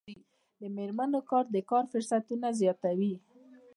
د میرمنو کار د کار فرصتونه زیاتوي.